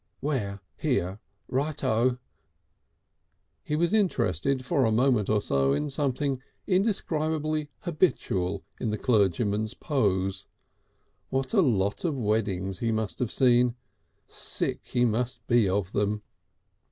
"Where? Here? Right O." He was interested for a moment or so in something indescribably habitual in the clergyman's pose. What a lot of weddings he must have seen! Sick he must be of them!